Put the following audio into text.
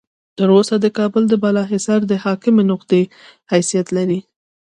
تر اوسه د کابل بالا حصار د حاکمې نقطې حیثیت لري.